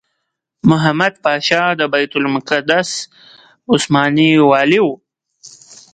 محمد پاشا د بیت المقدس عثماني والي وو.